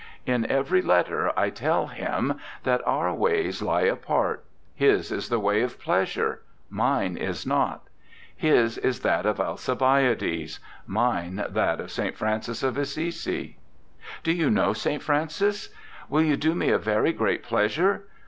In every letter I tell him that our 54 ANDRE GIDE ways lie apart ; his is the way of pleasure mine is not. His is that of Alcibiades; mine that of St. Francis of Assisi. ... Do you know St. Francis? Will you do me a very great pleasure?